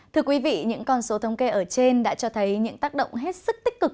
thưa quý vị những con số thống kê ở trên đã cho thấy những tác động hết sức tích cực